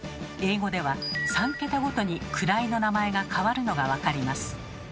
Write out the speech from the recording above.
英語では３桁ごとに位の名前が変わるのが分かります。